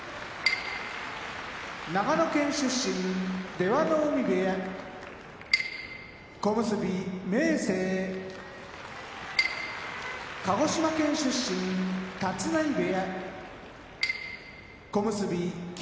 長野県出身出羽海部屋小結・明生鹿児島県出身立浪部屋小結・霧